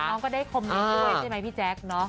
น้องก็ได้คมเลี้ยงด้วยใช่ไหมพี่แจ๊กเนาะ